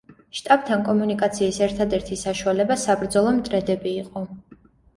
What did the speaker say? შტაბთან კომუნიკაციის ერთადერთი საშუალება საბრძოლო მტრედები იყო.